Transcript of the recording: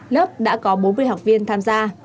lớp đã có bốn mươi học viên tham gia